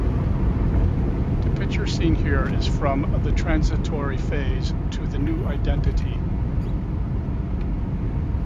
The picture seen here is from the transitory phase to the new identity.